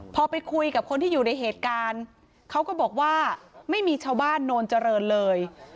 พอไปคุยกับคนที่อยู่ในเหตุการณ์เขาก็บอกว่าไม่มีชาวบ้านโนนเจริญเลย